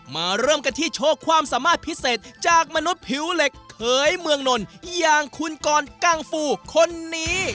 เริ่มกันที่โชว์ความสามารถพิเศษจากมนุษย์ผิวเหล็กเขยเมืองนนท์อย่างคุณกรกังฟูคนนี้